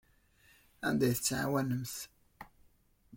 Anda ay tent-tɛawnemt?